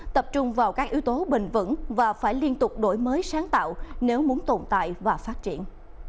tập trung vào các yếu tố bền vững và phải liên tục đổi mới sáng tạo nếu muốn tồn tại và phát triển